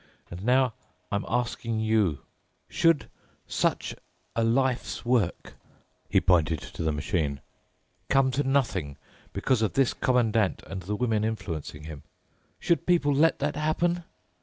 And now I'm asking you: Should such a life's work," he pointed to the machine, "come to nothing because of this Commandant and the women influencing him? Should people let that happen?